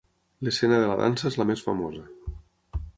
L'escena de la dansa és la més famosa.